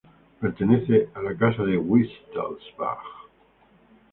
Pertenece a la casa de Wittelsbach.